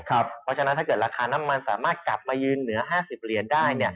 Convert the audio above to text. เพราะฉะนั้นถ้าเกิดราคาน้ำมันสามารถกลับมายืนเหนือ๕๐เหรียญได้